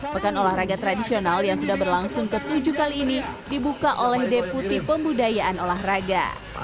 pekan olahraga tradisional yang sudah berlangsung ke tujuh kali ini dibuka oleh deputi pembudayaan olahraga